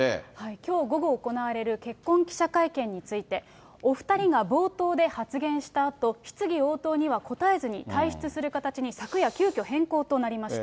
きょう午後行われる結婚記者会見について、お２人が冒頭で発言したあと、質疑応答には答えずに退出する形に昨夜、急きょ変更となりました。